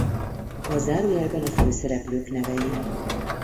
A zárójelben a főszereplők nevei.